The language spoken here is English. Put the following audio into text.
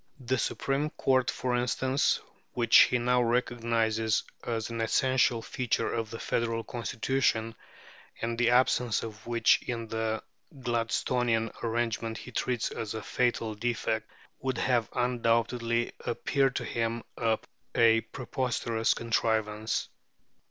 The Supreme Court, for instance, which he now recognizes as an essential feature of the Federal Constitution, and the absence of which in the Gladstonian arrangement he treats as a fatal defect, would have undoubtedly appeared to him a preposterous contrivance.